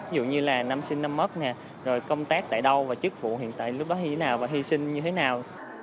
ví dụ như là năm sinh năm mất công tác tại đâu chức vụ hiện tại lúc đó như thế nào hy sinh như thế nào